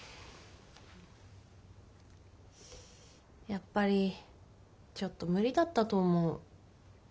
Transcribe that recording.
やっぱりちょっと無理だったと思う。